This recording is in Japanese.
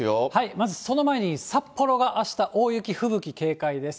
まず、その前に、札幌があした、大雪、吹雪、警戒です。